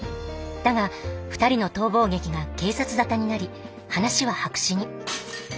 だが２人の逃亡劇が警察沙汰になり話は白紙に。